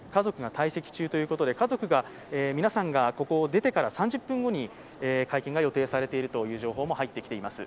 家族の皆さんがここを出てから３０分後に会見が予定されているという情報も入ってきています。